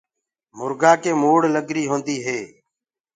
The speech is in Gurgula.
مرگآ ڪي موڙ لگري هوندي هي۔